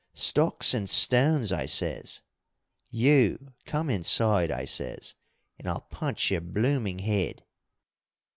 'Stocks and stones!' I says. 'You come inside,' I says, 'and I'll punch your blooming head.'